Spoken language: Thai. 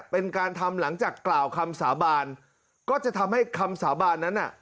เป็นการทำหลังจากกล่าวคำสาบานก็จะทำให้คำสาบานนั้นน่ะ